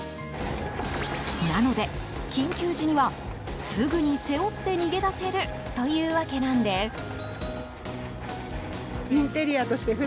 なので緊急時にはすぐに背負って逃げ出せるというわけなんです。